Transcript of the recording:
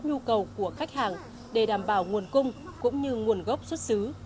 nhu cầu của khách hàng để đảm bảo nguồn cung cũng như nguồn gốc xuất xứ